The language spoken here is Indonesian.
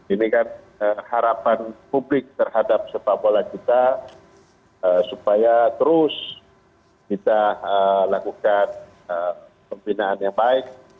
ini kan harapan publik terhadap sepak bola kita supaya terus kita lakukan pembinaan yang baik